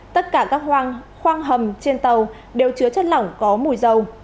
tất cả các hoang khoang hầm trên tàu đều chứa chất lỏng có mùi dầu